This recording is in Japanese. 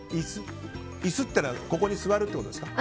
椅子ってここに座るってことですか。